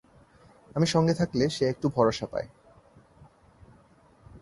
আমি সঙ্গে থাকলে সে একটু ভরসা পায়।